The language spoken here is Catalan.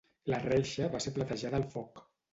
La reixa va ser platejada al foc.